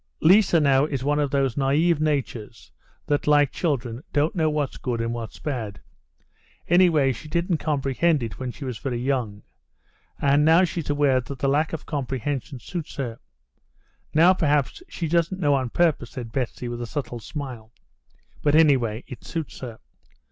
Liza now is one of those naïve natures that, like children, don't know what's good and what's bad. Anyway, she didn't comprehend it when she was very young. And now she's aware that the lack of comprehension suits her. Now, perhaps, she doesn't know on purpose," said Betsy, with a subtle smile. "But, anyway, it suits her.